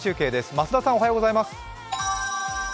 増田さん、おはようございます。